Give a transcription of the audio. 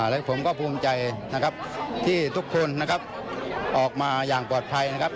และผมก็ภูมิใจนะครับที่ทุกคนนะครับออกมาอย่างปลอดภัยนะครับ